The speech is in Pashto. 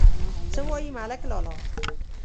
_څه وايي ملک لالا!